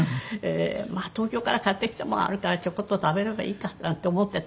まあ東京から買ってきたものあるからちょこっと食べればいいかなんて思ってたのね。